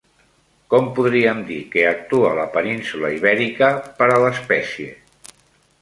Com podríem dir que actua la península Ibèrica per a l'espècie?